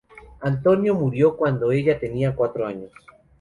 Antonino murió cuando ella tenía cuatro años.